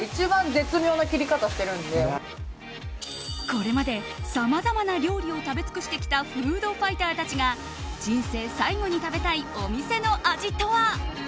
これまで、さまざまな料理を食べつくしてきたフードファイターたちが人生最後に食べたいお店の味とは。